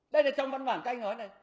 đây là trong văn bản các anh nói này